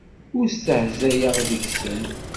Ur stehzayeɣ deg-sen.